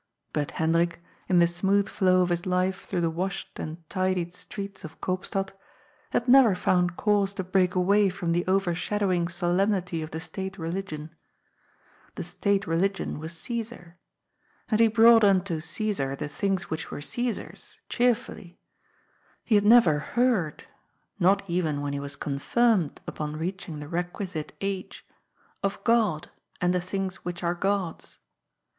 But Hendrik, in the smooth flow of his life through the washed and tidied streets of Eoopstad, had never found cause to break away from the overshadowing solemnity of the state religion. The state religion was CsBsar. And he brought unto CsBsar the things which were Csesar's, cheerfully. He had never heard — ^not even when he was confirmed upon reaching the requisite age — of Ood and the things which are God's.